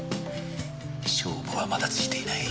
勝負はまだついていない。